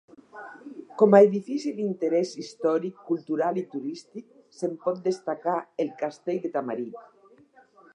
Com a edifici d'interès històric, cultural i turístic se'n pot destacar el Castell de Tamarit.